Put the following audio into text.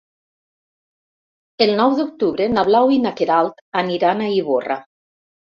El nou d'octubre na Blau i na Queralt aniran a Ivorra.